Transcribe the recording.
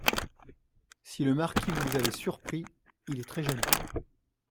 Si le marquis vous avait surpris… il est très jaloux.